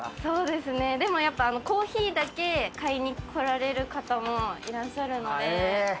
そうですねでもやっぱコーヒーだけ買いに来られる方もいらっしゃるので。